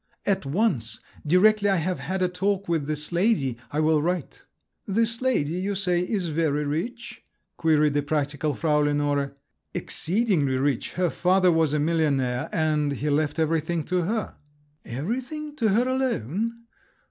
"At once! directly I have had a talk with this lady, I will write." "This lady, you say, is very rich?" queried the practical Frau Lenore. "Exceedingly rich! her father was a millionaire, and he left everything to her." "Everything—to her alone?